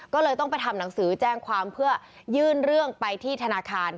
ก็เลยต้องไปทำหนังสือแจ้งความเพื่อยื่นเรื่องไปที่ธนาคาร